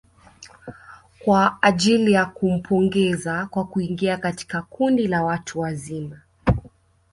Kwa ajili ya kumpongeza kwa kuingia katika kundi la watu wazima